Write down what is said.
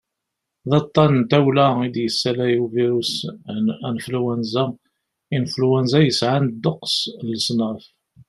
d aṭṭan n tawla i d-yeslalay ubirus n anflwanza influenza yesɛan ddeqs n leṣnaf